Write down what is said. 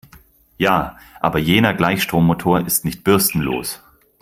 Ja, aber jener Gleichstrommotor ist nicht bürstenlos.